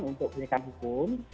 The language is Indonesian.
untuk menjaga hukum